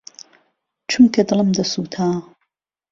چومکه دڵم دهسووتا